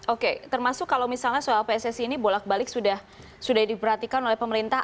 oke termasuk kalau misalnya soal pssi ini bolak balik sudah diperhatikan oleh pemerintah